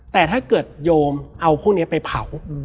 แต่ถ้าเกิดโยมเอาพวกนี้ไปเผา